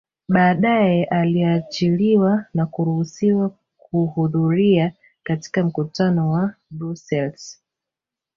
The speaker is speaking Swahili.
Badae aliachiliwa na kuruhusiwa kuhudhuria katika mkutano wa Brussels